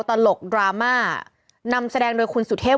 เป็นการกระตุ้นการไหลเวียนของเลือด